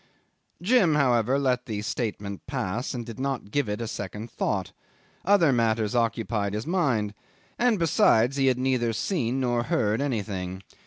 'Jim, however, let the statement pass, and did not give it a single thought. Other matters occupied his mind, and besides he had neither seen nor heard anything.